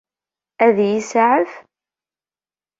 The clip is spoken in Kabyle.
Ad iyi-isaɛef?